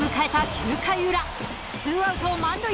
９回裏ツーアウト満塁！